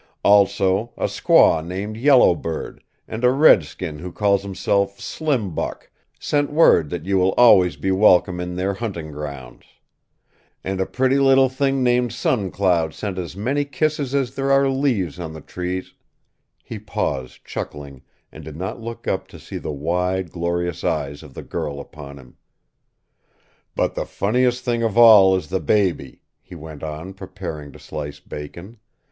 Also, a squaw named Yellow Bird, and a redskin who calls himself Slim Buck, sent word that you will always be welcome in their hunting grounds. And a pretty little thing named Sun Cloud sent as many kisses as there are leaves on the trees " [Illustration: " a squaw named Yellow Bird send word that you would be welcome."] He paused, chuckling, and did not look up to see the wide, glorious eyes of the girl upon him. "But the funniest thing of all is the baby," he went on, preparing to slice bacon.